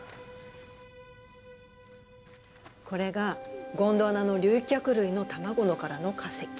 これがゴンドワナの竜脚類の卵の殻の化石。